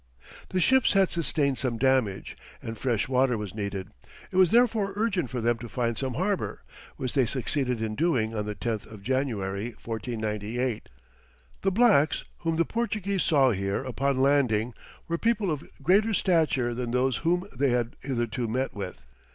The ships had sustained some damage, and fresh water was needed; it was therefore urgent for them to find some harbour, which they succeeded in doing on the 10th of January, 1498. The blacks whom the Portuguese saw here upon landing were people of greater stature than those whom they had hitherto met with.